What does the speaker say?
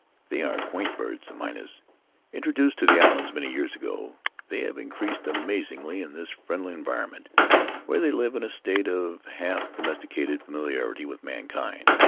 They are quaint birds, the mynahs; intro duced to the Islands many years ago, they have in creased amazingly in this friendly environment, where they live in a state of half domesticated familiarity with mankind.